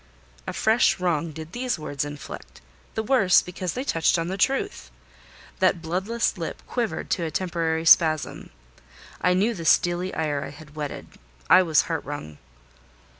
A fresh wrong did these words inflict: the worse, because they touched on the truth. That bloodless lip quivered to a temporary spasm. I knew the steely ire I had whetted. I was heart wrung.